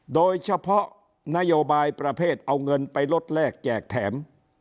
โดยเฉพาะนโยบายประเภทเอาเงินไปลดแรกแจกแถม